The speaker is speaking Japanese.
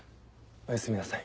おやすみなさい。